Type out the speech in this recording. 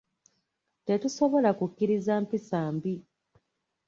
Tetusobola kukkiriza mpisa mbi